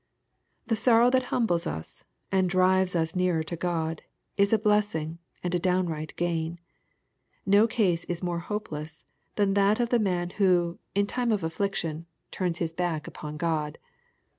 The sorrow that humbles us, and drives us nearer to God, is a blessing, and a downright gain. No case is more hopeless than that of the man who, in time of affliction^ 42 EXP0SIT0B7 THOUGHTS. turns his back upon God.